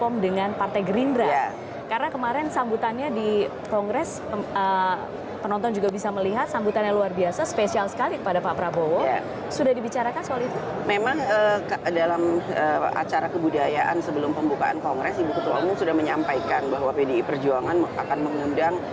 memang dalam acara kebudayaan sebelum pembukaan kongres ibu ketua umum sudah menyampaikan bahwa pdi perjuangan akan mengundang